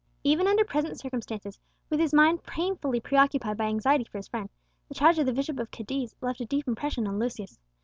Even under present circumstances, with his mind painfully preoccupied by anxiety for his friend, the charge of the Bishop of Cadiz left a deep impression on Lucius.